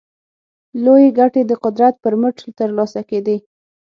لویې ګټې د قدرت پر مټ ترلاسه کېدې.